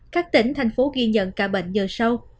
các tỉnh thành phố ghi nhận ca bệnh giờ sâu